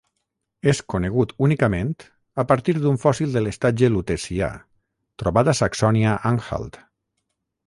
És conegut únicament a partir d'un fòssil de l'estatge Lutecià, trobat a Saxònia-Anhalt.